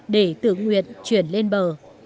để tự nguyện chuyển lên bờ